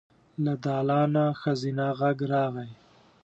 له دالانه ښځينه غږ راغی.